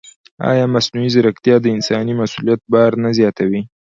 ایا مصنوعي ځیرکتیا د انساني مسؤلیت بار نه زیاتوي؟